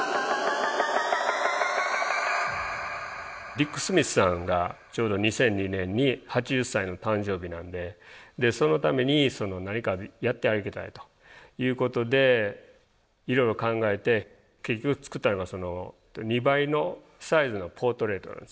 ディック・スミスさんがちょうど２００２年に８０歳の誕生日なんでそのために何かやってあげたいということでいろいろ考えて結局作ったのが２倍のサイズのポートレートなんですね。